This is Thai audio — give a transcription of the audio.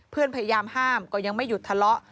พยายามห้ามก็ยังไม่หยุดทะเลาะ